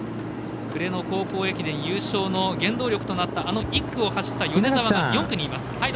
暮れの高校駅伝優勝の原動力となったあの１区を走った米澤が４区にいます。